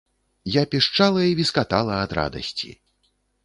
Я пішчала і віскатала ад радасці!